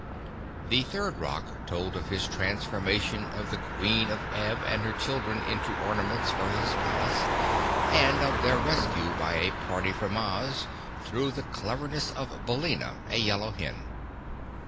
The third rock told of his transformation of the Queen of Ev and her children into ornaments for his palace and of their rescue by a party from Oz, through the cleverness of Billina, a yellow hen.